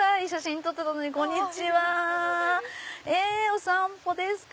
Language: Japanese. お散歩ですか？